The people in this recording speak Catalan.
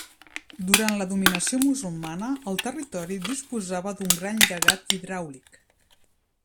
Durant la dominació musulmana el territori disposava d'un gran llegat hidràulic.